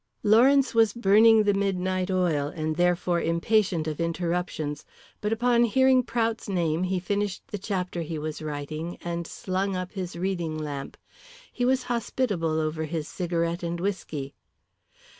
Lawrence was burning the midnight oil, and therefore impatient of interruptions. But upon hearing Prout's name he finished the chapter he was writing, and slung up his reading lamp. He was hospitable over his cigarette and whisky.